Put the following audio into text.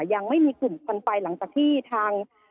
ยังไม่มีกลุ่มควันไฟหลังจากที่ทาง